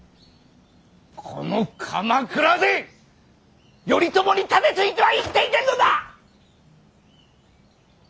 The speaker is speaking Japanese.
この鎌倉で頼朝に盾ついては生きていけんのだ！